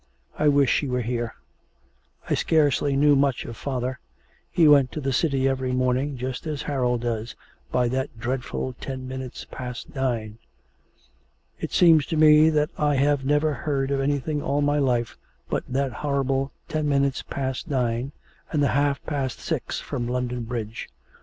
I wish she were here. I scarcely knew much of father; he went to the city every morning, just as Harold does, by that dreadful ten minutes past nine. It seems to me that I have never heard of anything all my life but that horrible ten minutes past nine and the half past six from London Bridge.